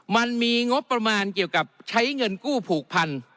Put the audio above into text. มันมีงบประมาณเกี่ยวกับใช้เงินกู้ผูกพัน